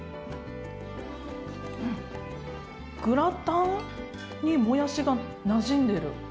グラタンにもやしがなじんでる。